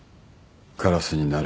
カラスになれ。